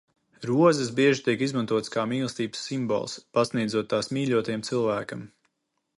Rozes bieži tiek izmantotas kā mīlestības simbols, pasniedzot tās mīļotajam cilvēkam.